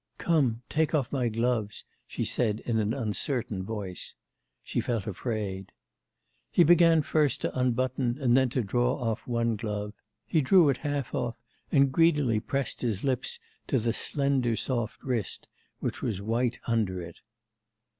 'Come, take off my gloves,' she said in an uncertain voice. She felt afraid. He began first to unbutton and then to draw off one glove; he drew it half off and greedily pressed his lips to the slender, soft wrist, which was white under it.